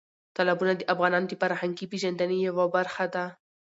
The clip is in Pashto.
تالابونه د افغانانو د فرهنګي پیژندنې یوه برخه ده.